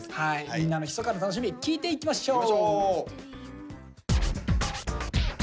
みんなのひそかな楽しみ聞いていきましょう。